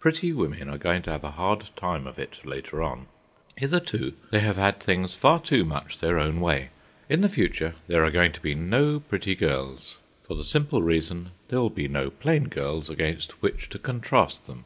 PRETTY women are going to have a hard time of it later on. Hitherto, they have had things far too much their own way. In the future there are going to be no pretty girls, for the simple reason there will be no plain girls against which to contrast them.